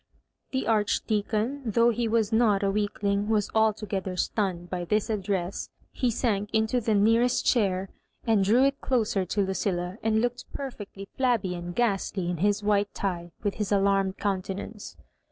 The Archdeacon, though he was not a weak ling, was altogether stunned by this addresa He sank into the nearest chair, and drew it doser lo Lucilla, and looked perfectly flabby and ghast ly in his white tie, with his alarmed countenance.